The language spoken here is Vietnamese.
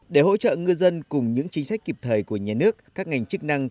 để hỗ trợ ngư dân cùng những chính sách kịp thời của nhà nước các ngành chức năng